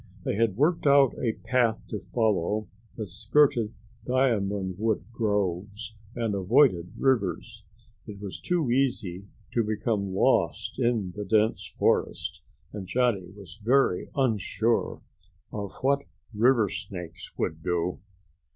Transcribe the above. They had worked out a path to follow that skirted diamond wood groves and avoided rivers. It was too easy to become lost in the dense forest, and Johnny was very unsure of what river snakes would do.